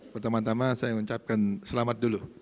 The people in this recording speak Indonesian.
pertama tama saya ucapkan selamat dulu